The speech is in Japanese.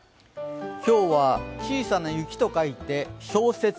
今日は小さな雪と書いて、小雪。